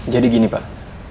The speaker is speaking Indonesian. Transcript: jadi gini pak